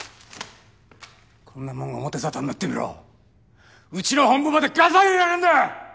こんなもんが表沙汰になってみろうちの本部までガサ入れられんだ！